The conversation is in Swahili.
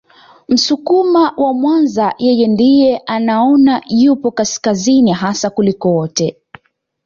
Msukuma wa Mwanza yeye ndiye anaona yupo kaskazini hasa kuliko wote